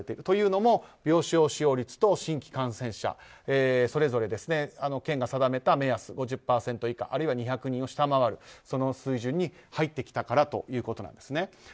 というのも、病床使用率と新規感染者それぞれ県が定めた目安５０％以下あるいは２００人を下回るその水準に入ってきたからということですね。